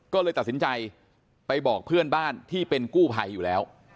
ก็เลยตัดสินใจไปบอกเพื่อนบ้านที่เป็นกู้ภัยอยู่แล้ว